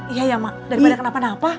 iya ya mak daripada kenapa napa